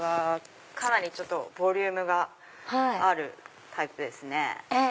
かなりボリュームがあるタイプですね。